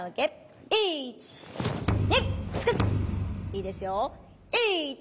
いいですよ。